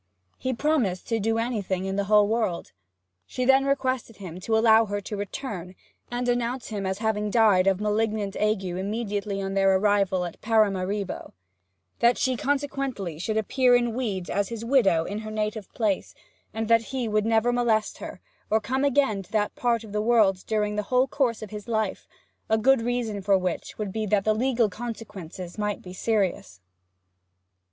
He promised to do anything in the whole world. She then requested him to allow her to return, and announce him as having died of malignant ague immediately on their arrival at Paramaribo; that she should consequently appear in weeds as his widow in her native place; and that he would never molest her, or come again to that part of the world during the whole course of his life a good reason for which would be that the legal consequences might be serious.